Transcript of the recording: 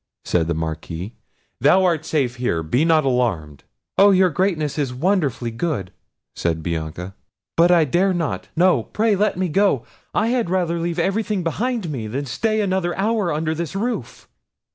said the Marquis. "Thou art safe here; be not alarmed." "Oh! your Greatness is wonderfully good," said Bianca, "but I dare not—no, pray let me go—I had rather leave everything behind me, than stay another hour under this roof."